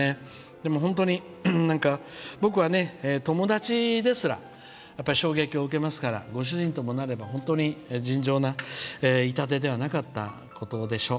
でも、僕は友達ですら衝撃を受けますからご主人ともなれば本当に尋常な痛手ではなかったことでしょう。